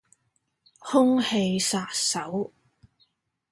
空氣殺手